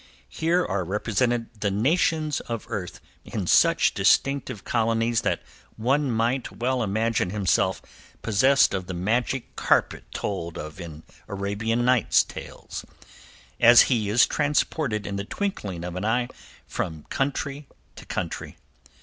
Here are represented the nations of earth in such distinctive colonies that one might well imagine himself possessed of the magic carpet told of in Arabian Nights Tales, as he is transported in the twinkling of an eye from country to country.